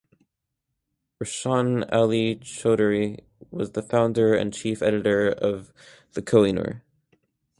Rowshan Ali Chowdhury was the founder and chief editor of "The Kohinoor".